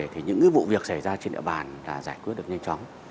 thì những vụ việc xảy ra trên địa bàn là giải quyết được nhanh chóng